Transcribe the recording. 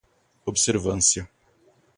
observância